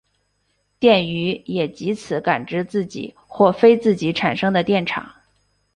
电鱼也藉此感知自己或非自己产生的电场。